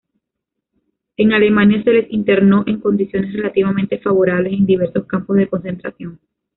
En Alemania, se les internó —en condiciones relativamente favorables— en diversos campos de concentración.